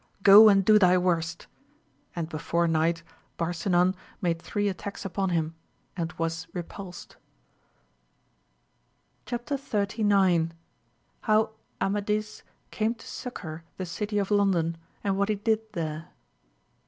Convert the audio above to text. go and do thy worst ! And before night Barsinan made three attacks upon him, and was repulsed. .206 AMADIS OF GAUL, Chap. XXXIX.— How Araadis came to succonr the City of . London, and what he did there.